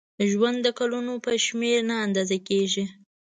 ژوند د کلونو په شمېر نه اندازه کېږي.